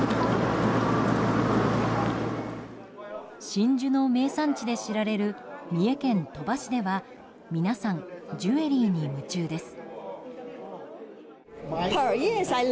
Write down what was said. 真珠の名産地で知られる三重県鳥羽市では皆さん、ジュエリーに夢中です。